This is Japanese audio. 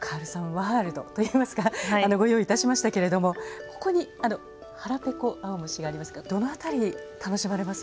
ワールドと言いますかご用意いたしましたけれどもここに「はらぺこあおむし」がありますがどの辺り楽しまれます？